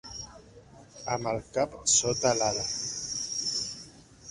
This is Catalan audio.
Amb el cap sota l'ala.